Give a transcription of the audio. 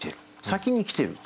先に来てる。